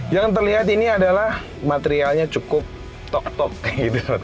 yang terlihat ini adalah materialnya cukup tok tok kayak gitu loh kalau di sini